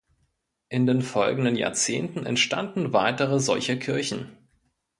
In den folgenden Jahrzehnten entstanden weitere solcher Kirchen.